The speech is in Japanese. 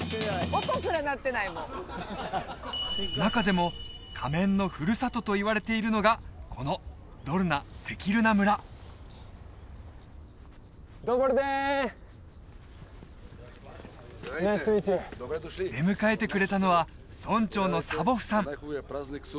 中でも仮面のふるさとといわれているのがこのドルナ・セキルナ村ナイストゥミーチュー出迎えてくれたのは村長のサヴォフさん